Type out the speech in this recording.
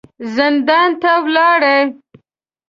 زندان ته ولاړې.